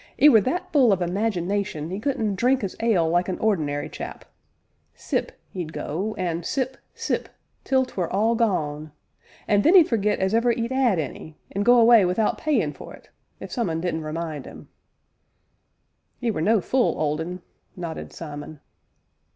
'e were that full o' imagination 'e couldn't drink 'is ale like an ordinary chap sip, 'e'd go, an' sip, sip, till 'twere all gone, an' then 'e'd forget as ever 'e'd 'ad any, an' go away wi'out paying for it if some 'un didn't remind 'im " "'E were no fule, Old Un!" nodded Simon.